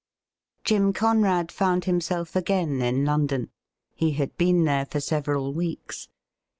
Jim Conrad found himself again in London. He had been there for several weeks.